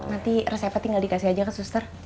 nanti resepnya tinggal dikasih aja ke suster